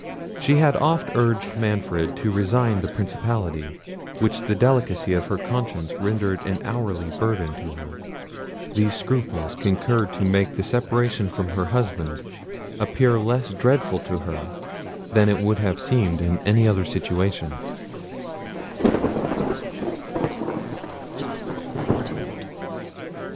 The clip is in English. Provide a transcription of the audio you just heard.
She had oft urged Manfred to resign the principality, which the delicacy of her conscience rendered an hourly burthen to her. These scruples concurred to make the separation from her husband appear less dreadful to her than it would have seemed in any other situation.